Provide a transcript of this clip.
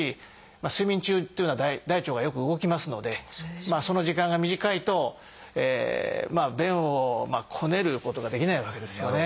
睡眠中っていうのは大腸がよく動きますのでその時間が短いと便をこねることができないわけですよね。